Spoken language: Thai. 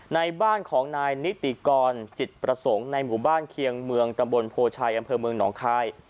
ในบ้านของนายนิติกรจิตประสงค์ในหมู่บ้านเคียงเมืองตำบลโพชัยอำเภอเมืองหนองคาย